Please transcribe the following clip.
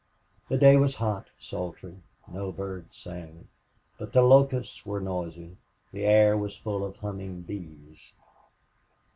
The day was hot, sultry; no birds sang, but the locusts were noisy; the air was full of humming bees.